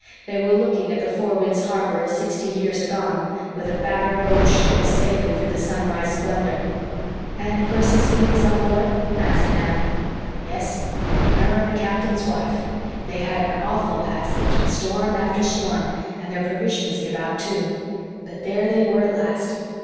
They were looking at the Four Winds Harbor of sixty years agone, with a battered old ship sailing through the sunrise splendor. "And Persis Leigh was on board?" asked Anne. "Yes her and the captain's wife. They'd had an awful passage storm after storm and their provisions give out, too. But there they were at last.